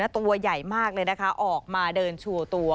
ตัวใหญ่มากเลยนะคะออกมาเดินโชว์ตัว